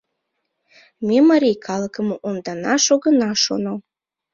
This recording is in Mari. Ме марий калыкым онданаш огына шоно.